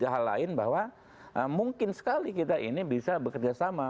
hal lain bahwa mungkin sekali kita ini bisa bekerja sama